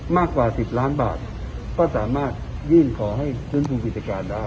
มากกว่า๑๐ล้านบาทก็สามารถยื่นขอให้ฟื้นคืนกิจการได้